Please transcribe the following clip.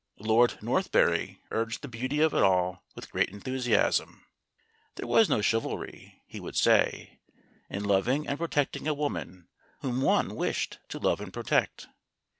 Lord Northberry urged the beauty of it all with great enthusiasm. There was no chivalry, he would say, in loving and protecting a woman whom one wished to love and protect.